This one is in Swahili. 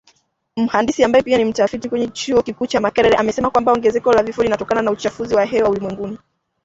Mhandisi ambaye pia ni mtafiti kwenye chuo kikuu cha Makerere amesema kwamba, ongezeko la vifo linatokana na uchafuzi wa hewa ulimwenguni